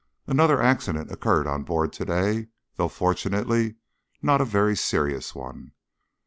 Another accident occurred on board to day, though fortunately not a very serious one.